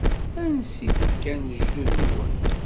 Ansi d-kkan lejdud-nwen?